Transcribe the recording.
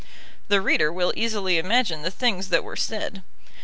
The reader will easily imagine the things that were said.